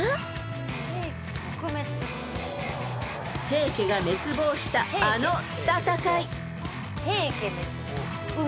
［平家が滅亡したあの戦い］